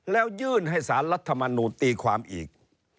แล้วยื่นให้สารรัฐมนูลตีความอีก